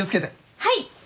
はい。